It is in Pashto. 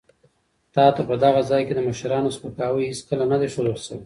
تا ته په دغه ځای کې د مشرانو سپکاوی هېڅکله نه دی ښوول شوی.